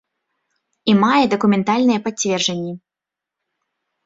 І мае дакументальныя пацверджанні.